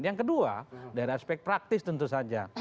yang kedua dari aspek praktis tentu saja